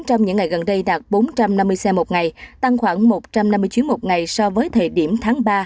trong những ngày gần đây đạt bốn trăm năm mươi xe một ngày tăng khoảng một trăm năm mươi chuyến một ngày so với thời điểm tháng ba